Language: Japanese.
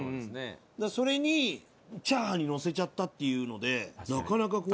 それにチャーハンにのせちゃったっていうのでなかなかこう。